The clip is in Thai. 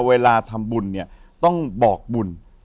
เวลาทำบุญเนี่ยต้องบอกบุญ